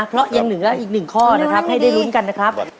เพราะยังเหงืออีก๑ข้อที่ให้รวมในถัวครับ